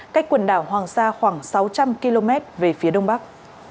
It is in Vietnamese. cách quần đảo hoàng sa khoảng sáu trăm linh km về phía đông bắc